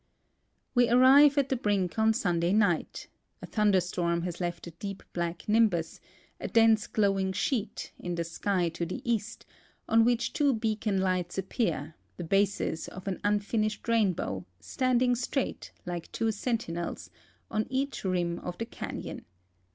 We arrive at the brink on Sunday night ; a thunderstorm has left a deep black nimbus, a dense glowering sheet, in the sky to the east, on which two beacon lights appear, the bases of an un finished rainbow, standing straight, like two sentinels, on each rim of the canon.